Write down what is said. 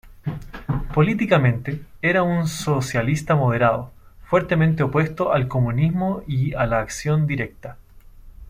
Políticamente, era un socialista moderado, fuertemente opuesto al comunismo y a la acción directa.